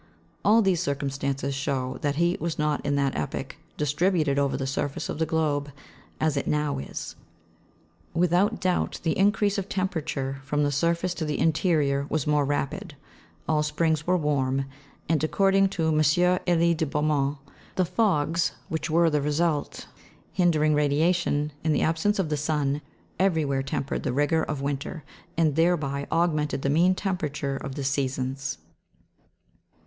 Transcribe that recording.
All these circumstances show that heat was not, in that epoch, distributed over the surface of the globe as it now is. Without doubt, the increase of temperature, from the surface to the interior, was more rapid ; all springs were warm ; and, according to M. Elie de Beaumont, the fogs, which were the result, hinder ing radiation, in the absence of the sun, everywhere tempered the rigour of winter, and thereby augmented the mean temperature of the seasons.